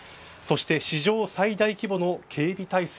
そして史上最大規模の警備態勢。